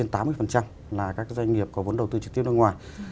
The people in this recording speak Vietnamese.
trên tám mươi là các cái doanh nghiệp có vốn đầu tư trực tiếp nước ngoài